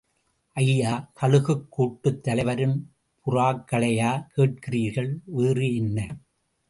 ஐயா, கழுகுக் கூட்டுத் தலைவரின் புறாக்களையா கேட்கிறீர்கள்? வேறு என்ன?